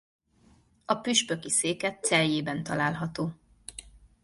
A püspöki széke Celjében található.